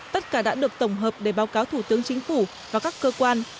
tất cả đã được tổng hợp để báo cáo thủ tướng chính phủ và các cơ quan